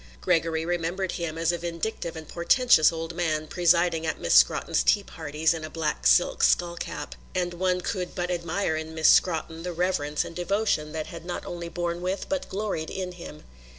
Gregory remembered him as a vindictive and portentous old man presiding at Miss Scrotton's tea parties in a black silk skull cap, and one could but admire in Miss Scrotton the reverence and devotion that had not only borne with but gloried in him.